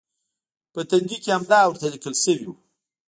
په تندي کې همدا ورته لیکل شوي و.